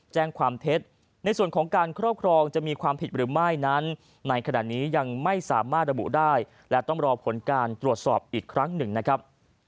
แจ้งความเท็จในส่วนของการครอบครองจะมีความผิดหรือไม่นั้นในขณะนี้ยังไม่สามารถระบุได้และต้องรอผลการตรวจสอบอีกครั้งหนึ่งนะครับ